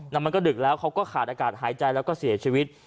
แล้วมันก็ดึกแล้วเขาก็ขาดอากาศหายใจแล้วก็เสียชีวิต